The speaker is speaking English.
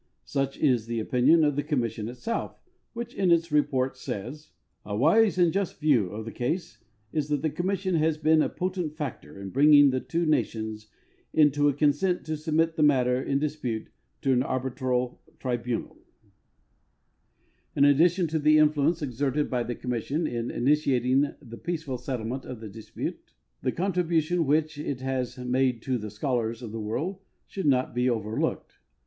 Such is the opinion of the commission itself, which in its report says: "A wise and just view of the case is that the commission has been a potent factor in bringing the two nations into a consent to submit the matter in dispute to an arbitral tribunal." 200 THE VENEZ VELA N B 0 UNDA R Y COMMISSION In addition to tlie influence exerted b}' the commission in initiating the peaceful settlement of the dispute, the contribu tion which it has made to the scholars of the world should not be overlooked.